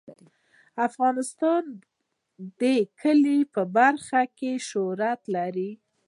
افغانستان د کلیو په برخه کې شهرت لري.